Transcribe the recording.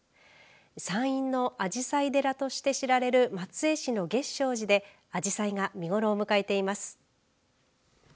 山陰のアジサイ寺として知られる松江市の月照寺でアジサイが見頃を迎えています。